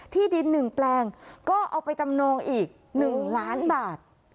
ที่ดิน๑แปลงก็เอาไปจำนองอีก๑ล้านบาท